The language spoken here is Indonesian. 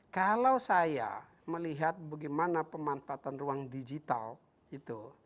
kalau saya melihat bagaimana pemanfaatan ruang digital itu